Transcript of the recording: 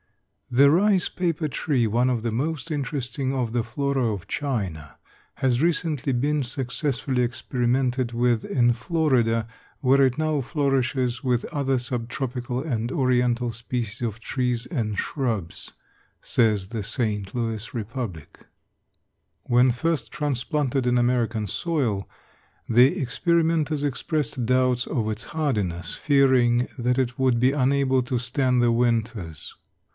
The rice paper tree, one of the most interesting of the flora of China, has recently been successfully experimented with in Florida, where it now flourishes, with other sub tropical and oriental species of trees and shrubs, says the St. Louis Republic. When first transplanted in American soil the experimenters expressed doubts of its hardiness, fearing that it would be unable to stand the winters.